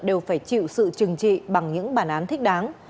đều phải chịu sự trừng trị bằng những bản án thích đáng